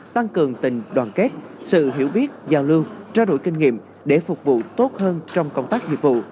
tăng cường tình đoàn kết sự hiểu biết giao lưu trao đổi kinh nghiệm để phục vụ tốt hơn trong công tác nghiệp vụ